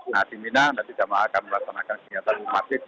nah di mina nanti jamaah akan melaksanakan kegiatan di hafidh